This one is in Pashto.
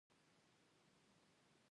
آیا د اسمان څکو ودانیو جوړول روان نه دي؟